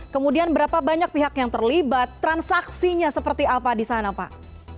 kemudian berapa banyak pihak yang terlibat transaksinya seperti apa di sana pak